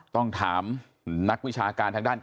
ต้องถามนักวิชาการทางด้านการ